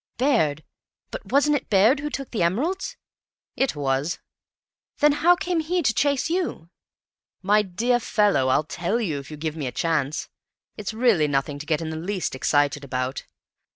"Baird! But wasn't it Baird who took the emeralds?" "It was." "Then how came he to chase you?" "My dear fellow, I'll tell you if you give me a chance; it's really nothing to get in the least excited about.